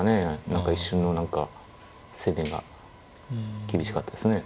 何か一瞬の何か攻めが厳しかったですね。